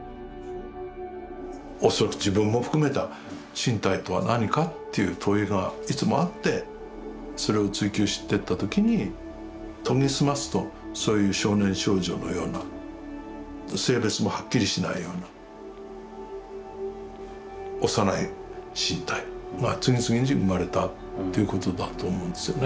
恐らく自分も含めた身体とは何かっていう問いがいつもあってそれを追求してった時に研ぎ澄ますとそういう少年少女のような性別もはっきりしないような幼い身体が次々に生まれたっていうことだと思うんですよね。